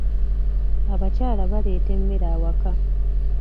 Abakyala baleeta emmere awaka.